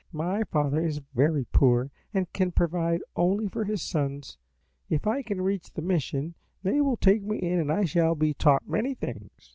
'My father is very poor and can provide only for his sons. If I can reach the mission they will take me in and I shall be taught many things.'